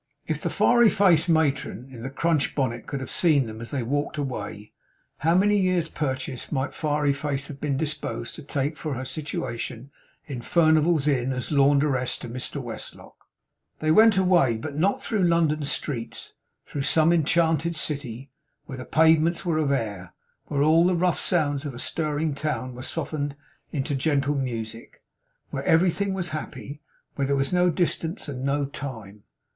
If the Fiery faced matron in the crunched bonnet could have seen them as they walked away, how many years' purchase might Fiery Face have been disposed to take for her situation in Furnival's Inn as laundress to Mr Westlock! They went away, but not through London's streets! Through some enchanted city, where the pavements were of air; where all the rough sounds of a stirring town were softened into gentle music; where everything was happy; where there was no distance, and no time.